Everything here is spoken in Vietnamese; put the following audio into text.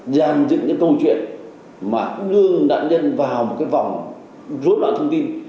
dàn dựng những câu chuyện mà đưa nạn nhân vào một cái vòng rốt loạn thông tin